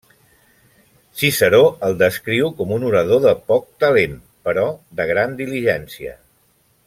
Ciceró el descriu com un orador de poc talent, però de gran diligència.